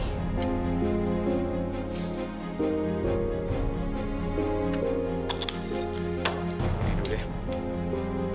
nih dulu deh